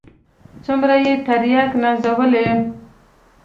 څومره چې ترياک نازوي.